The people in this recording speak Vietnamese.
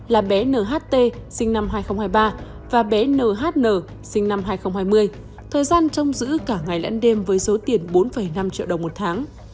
là bé nht sinh năm hai nghìn hai mươi ba và bé nhn sinh năm hai nghìn hai mươi thời gian trong giữ cả ngày lẫn đêm với số tiền bốn năm triệu đồng một tháng